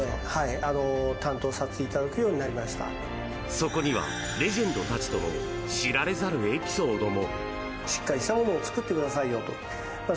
そこには、レジェンドたちとの知られざるエピソードも。